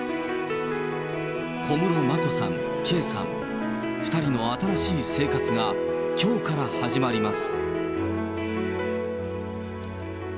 小室眞子さん、圭さん、２人の新しい生活が、きょうから始まります。